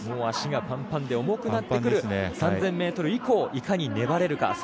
足がパンパンで重くなってくる３０００ｍ以降、いかに粘れるか。